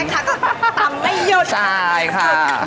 แม่ค้าก็ตำไม่หยดค่ะใช่ค่ะ